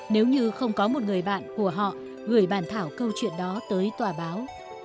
nếu như không có một người bạn của họ gửi bàn thảo câu chuyện đó tới tòa báo